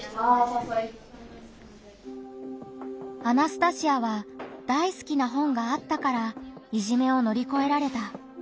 アナスタシアは大好きな本があったからいじめを乗り越えられた。